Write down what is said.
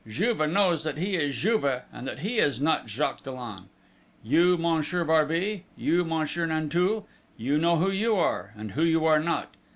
Juve knows that he is Juve, and that he is not Jacques Dollon. You, Monsieur Barbey; you, Monsieur Nanteuil, you know who you are, and who you are not!